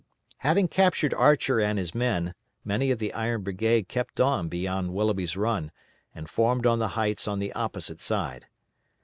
Having captured Archer and his men, many of the Iron Brigade kept on beyond Willoughby's Run, and formed on the heights on the opposite side.